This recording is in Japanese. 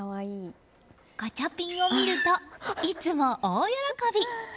ガチャピンを見るといつも大喜び。